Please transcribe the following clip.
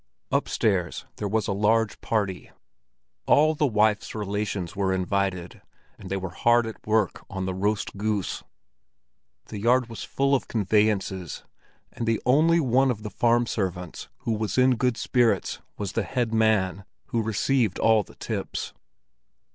Upstairs there was a large party. All the wife's relations were invited, and they were hard at work on the roast goose. The yard was full of conveyances, and the only one of the farm servants who was in good spirits was the head man, who received all the tips.